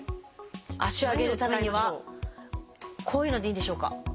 脚を上げるためにはこういうのでいいんでしょうか？